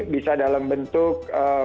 bisa dalam bentuk